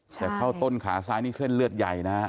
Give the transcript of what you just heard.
แต่เข้าต้นขาซ้ายนี่เส้นเลือดใหญ่นะฮะ